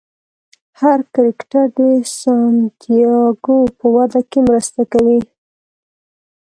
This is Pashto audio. هر کرکټر د سانتیاګو په وده کې مرسته کوي.